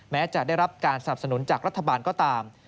แม้จะได้รับการสนับสนุนจากรัฐบาลก็ตาม